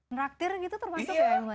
menraktir gitu termasuk ya